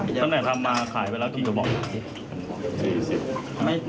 ตั้งแต่ทำมาขายไปแล้วกี่กระบอก